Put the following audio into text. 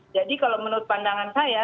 jadi kalau menurut pandangan saya